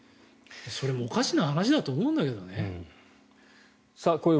それもおかしな話だと僕は思うけどね。